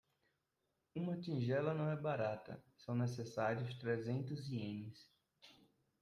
Uma tigela não é barata, são necessários trezentos ienes.